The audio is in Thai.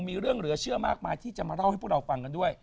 มีเรื่องเหลือเชื่อมากมายที่จะมาเล่าให้พวกเราฟังกันด้วย